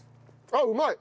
ああうまい。